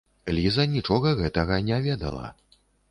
Ліза нічога гэтага не ведала.